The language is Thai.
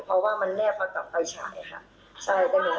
เพราะว่ามันแนบพอกับไฟฉายค่ะ